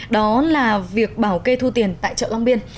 đó là việc bảo kê thu tiền tại chợ long biên